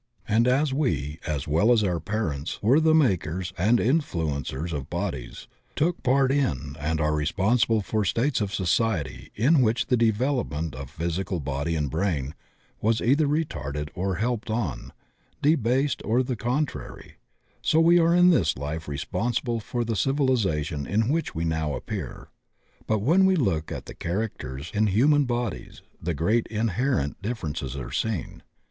And as HERENTY A LIMITATION 73 we as well as our parents were the makers and influ encers of bodies, took part in and are responsible for states of society in which the development of physical body and brain was either retarded or helped on, de based or the contrary, so we are in this life responsible for the ci\ilization in which we now appear. But when we look at the characters in human bodies, great in herent differences are seen.